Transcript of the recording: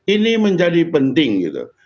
ini menjadi penting gitu